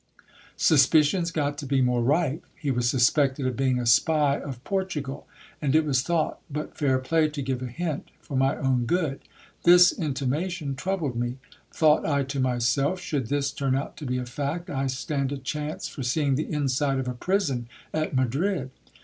Suspicions got to be more rife ; he was suspected of being a spy of Portugal, and it was thought but fair play to give a hint for my own good. This intimation troubled me. Thought I to myself, should this turn out to be a fact, I stand a chance for see ing the inside of a prison at Madrid.